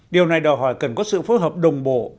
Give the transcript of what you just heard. điều này đòi hỏi cần có sự phối hợp đồng bộ